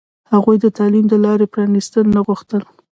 هغوی د تعلیم د لارې پرانستل نه غوښتل.